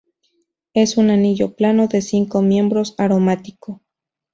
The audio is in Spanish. Es un anillo plano de cinco miembros, aromático.